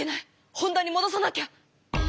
本題にもどさなきゃ。